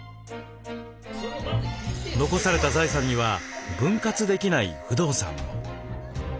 残された財産には分割できない不動産も。